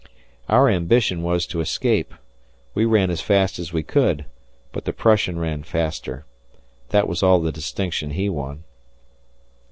Our ambition was to escape. We ran as fast as we could, but the Prussian ran faster. That was all the distinction he won.